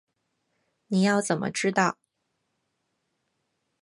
你要怎么知道